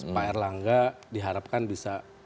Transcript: pak erlangga diharapkan bisa